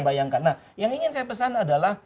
bayangkan nah yang ingin saya pesan adalah